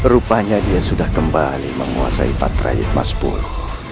rupanya dia sudah kembali menguasai patraik mas bulu